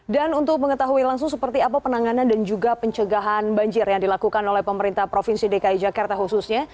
untuk mengetahui langsung seperti apa penanganan dan juga pencegahan banjir yang dilakukan oleh pemerintah provinsi dki jakarta khususnya